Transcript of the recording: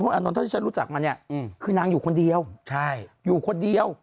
อานนท์เท่าที่ฉันรู้จักมาเนี่ยคือนางอยู่คนเดียวใช่อยู่คนเดียว